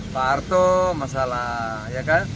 pak harto masalah ya kan